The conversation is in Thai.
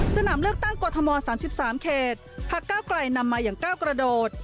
สนามเลือกตั้งกรทม๓๓เขตพักเก้าไกลนำมาอย่างก้าวกระโดด